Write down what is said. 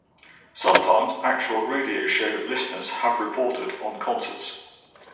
Sometimes, actual radio show listeners have reported on concerts.